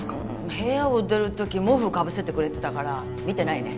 部屋を出る時毛布かぶせてくれてたから見てないね